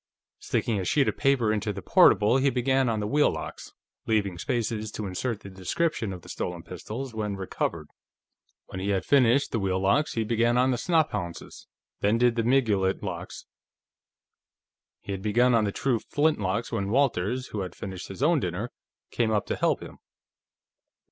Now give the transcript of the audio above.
Sticking a sheet of paper into the portable, he began on the wheel locks, leaving spaces to insert the description of the stolen pistols, when recovered. When he had finished the wheel locks, he began on the snaphaunces, then did the miguelet locks. He had begun on the true flintlocks when Walters, who had finished his own dinner, came up to help him.